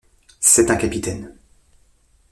C’est un capitaine !